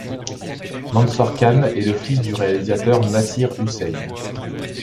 Mansoor Khan est le fils du réalisateur Nasir Hussain.